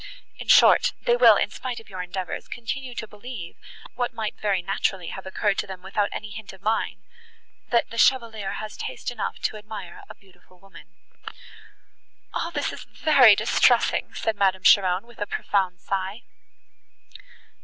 In short, they will, in spite of your endeavours, continue to believe, what might very naturally have occurred to them without any hint of mine—that the Chevalier has taste enough to admire a beautiful woman." "All this is very distressing!" said Madame Cheron, with a profound sigh.